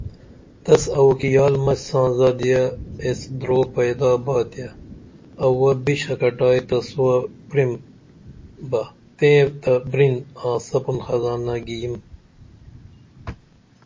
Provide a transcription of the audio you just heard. تس اوو کی یال مچ ساں زادیہ یس دُرو پیدا با تے یہ اووہ بِش اکٹائی تسوہ پریم بہ تئیں تہ بِرین ائی سپُن خزانہ گی یم